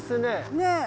ねえ。